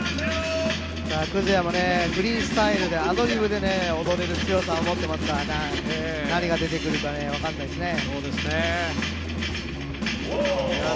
Ｋｕｚｙａもフリースタイルで、アドリブで踊れる強さを持ってますから何が出てくるか分からないですね。